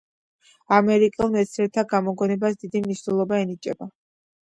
ამერიკელ მეცნიერთა გამოგონებას დიდი მნიშვნელობა ენიჭება.